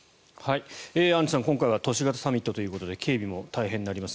アンジュさん、今回は都市型サミットということで警備も大変になります。